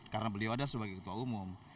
karena beliau ada sebagai ketua umum